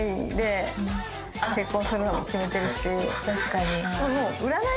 確かに。